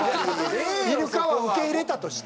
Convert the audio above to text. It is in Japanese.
イルカは受け入れたとして。